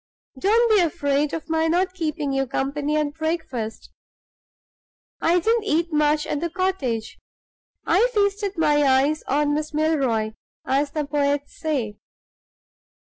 Don't be afraid of my not keeping you company at breakfast. I didn't eat much at the cottage; I feasted my eyes on Miss Milroy, as the poets say.